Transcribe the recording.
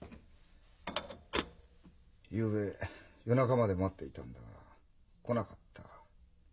ゆうべ夜中まで待っていたんだが来なかった。